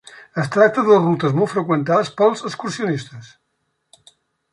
Es tracta de rutes molt freqüentades pels excursionistes.